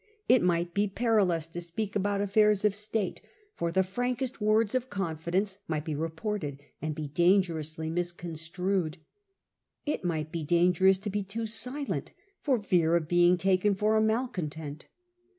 It might be perilous to speak about affairs ol And caused frankest words of confidence widespread might be reported, and be dangerously mis mistrust construed. It might be dangerous to be too silent, for fear of being taken for a malcontent.